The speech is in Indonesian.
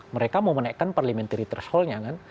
mereka mau menaikkan parliamentary thresholdnya kan